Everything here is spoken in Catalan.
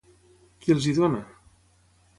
Qui els hi dona?